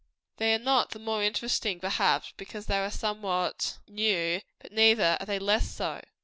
] They are not the more interesting, perhaps, because they are somewhat new; but neither are they less so.